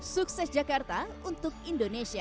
sukses jakarta untuk indonesia